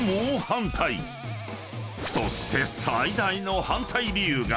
［そして最大の反対理由が］